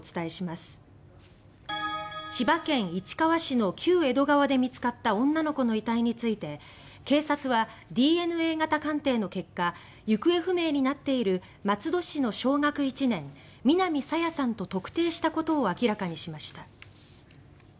千葉県市川市の旧江戸川で見つかった女の子の遺体について警察はＤＮＡ型検査の結果行方不明になっている松戸市の小学１年南朝芽さんと特定したことを明らかにしました。